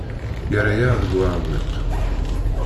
Yerra-yaɣ deg uɛewwiq.